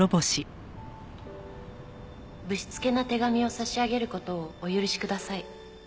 「不躾な手紙を差し上げることをお許しください」